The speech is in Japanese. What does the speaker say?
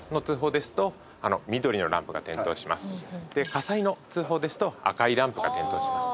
火災の通報ですと赤いランプが点灯します。